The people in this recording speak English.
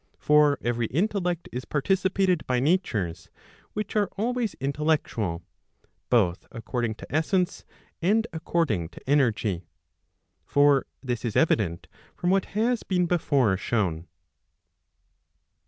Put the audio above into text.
For every intellect is participated by natures which are always intellectual, both according to essence and according to energy. For this is evident from what has been before shown.